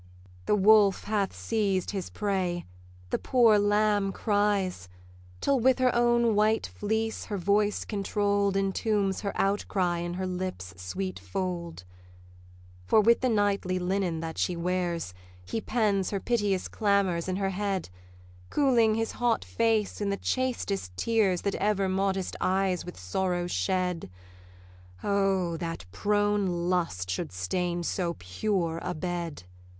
The wolf hath seized his prey, the poor lamb cries; Till with her own white fleece her voice controll'd Entombs her outcry in her lips' sweet fold: For with the nightly linen that she wears He pens her piteous clamours in her head; Cooling his hot face in the chastest tears That ever modest eyes with sorrow shed. O, that prone lust should stain so pure a bed!